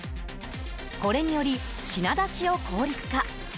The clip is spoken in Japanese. これにより、品出しを効率化。